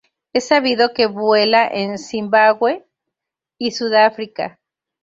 Es sabido que vuela en Zimbabue y Sudáfrica.